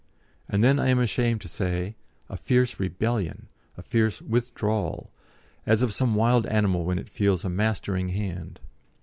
and then, I am ashamed to say, a fierce rebellion, a fierce withdrawal, as of some wild animal when it feels a mastering hand.